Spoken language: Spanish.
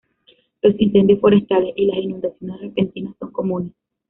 Los incendios forestales y las inundaciones repentinas son comunes.